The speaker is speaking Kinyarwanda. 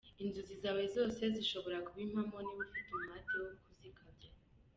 Inzozi zawe zose zishobora kuba impamo niba ufite umuhate wo kuzikabya.